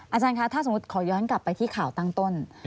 อาจารย์คะถ้าสมมุติขอย้อนกลับไปที่ข่าวตั้งต้น